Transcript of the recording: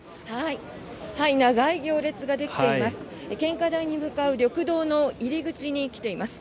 長い行列ができています。